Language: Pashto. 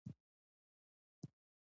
چي د بل نه سوه. ستا نه سي کېدلی.